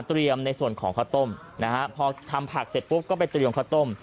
ในส่วนของข้าวต้มนะฮะพอทำผักเสร็จปุ๊บก็ไปเตรียมข้าวต้ม